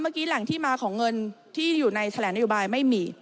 เมื่อกี้แหล่งที่มาของเงินที่อยู่ในแถลงนโยบายไม่มี